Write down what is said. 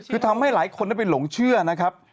คือทำให้หลายคนไปหลงเชื่อนะครับ